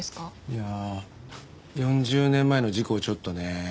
いや４０年前の事故をちょっとね。